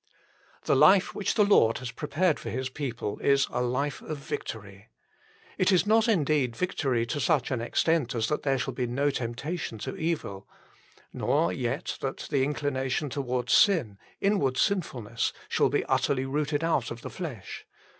The life which the Lord has prepared for His people is a life of victory. It is not indeed victory to such an extent as that there shall be no temptation to evil ; nor yet that the inclina tion towards sin, inward sinfulness, shall be utterly rooted out of the flesh.